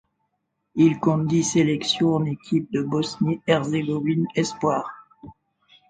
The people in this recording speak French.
Il compte dix sélections en équipe de Bosnie-Herzégovine espoirs.